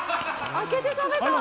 開けて食べた。